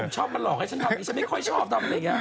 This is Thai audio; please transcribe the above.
ชอบมาหลอกให้ข้านี้ฉันไม่ค่อยชอบด้วย